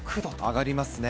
上がりますね。